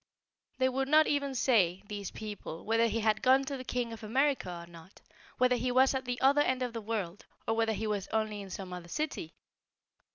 They would not even say these people whether he had gone to the King of America or not; whether he was at the other end of the world, or whether he was only in some other city.